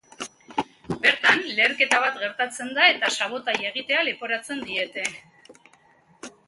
Bertan, leherketa bat gertatzen da eta sabotaia egitea leporatzen diete.